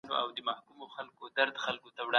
که انټرنېټي زده کړه دوام ولري، تعلیم نه ځنډېږي.